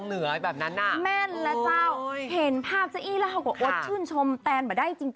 เหมือนเจ้าเมืองเหนือแบบนั้นอ่ะ